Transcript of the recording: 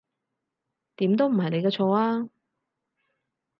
點都唔係你嘅錯呀